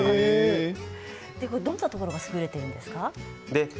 どんなところが優れてるんですか？